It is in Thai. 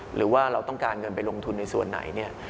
หรือว่าเราต้องการเงินไปลงทุนในส่วนไหนเนี่ย